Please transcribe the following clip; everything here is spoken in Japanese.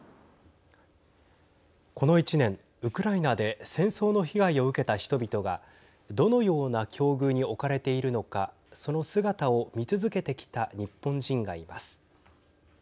この１年、ウクライナで戦争の被害を受けた人々がどのような境遇に置かれているのかその姿を見続けてきた日本人がいます。